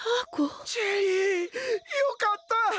よかった！